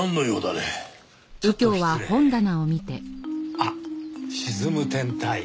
あっ『沈む天体』。